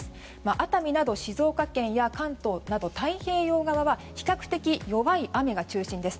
熱海など静岡県や関東など太平洋側は比較的、弱い雨が中心です。